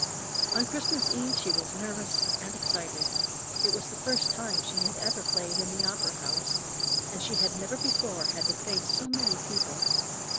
On Christmas Eve she was nervous and excited. It was the first time she had ever played in the opera house, and she had never before had to face so many people.